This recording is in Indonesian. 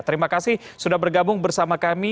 terima kasih sudah bergabung bersama kami